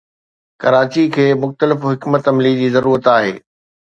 ڪراچي کي مختلف حڪمت عملي جي ضرورت آهي.